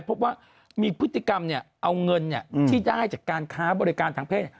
พบว่ามีพฤติกรรมเอาเงินที่ได้จากการค้าบริการทางเพศ